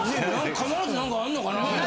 必ず何かあんのかなって。